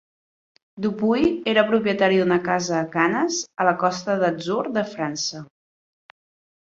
Dupuy era propietari d'una casa a Cannes, a la Costa d'Atzur de França.